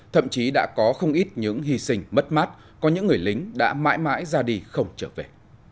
thậm chí đã có không ít những hy sinh mất mát có những người lính đã mãi mãi ra đi không trở về